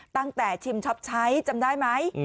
ตั้งแต่ชิมช็อปใช้จำได้ไหม